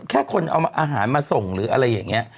แค่คนเอาอาหารมาส่งหรืออะไรอย่างนี้